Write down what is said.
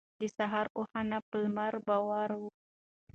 د سهار اوښان په لمر بار وو.